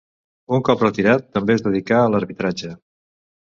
Un cop retirat també es dedicà a l'arbitratge.